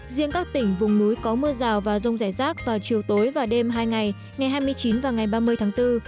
riêng các tỉnh vùng núi có mưa rào và rông rải rác vào chiều tối và đêm hai ngày ngày hai mươi chín và ngày ba mươi tháng bốn